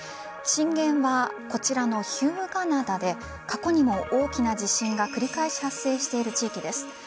震源はこちらの日向灘で過去にも大きな地震が繰り返し発生している地域です。